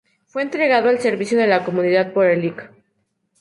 Fue entregado al servicio de la comunidad por el Lic.